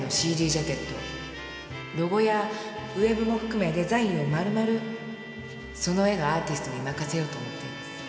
ジャケットロゴやウェブも含めデザインを丸々その絵のアーティストに任せようと思っています。